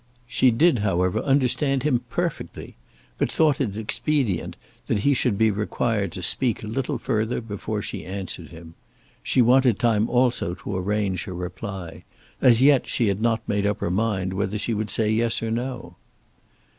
She did however understand him perfectly, but thought it expedient that he should be required to speak a little further before she answered him. She wanted time also to arrange her reply. As yet she had not made up her mind whether she would say yes or no.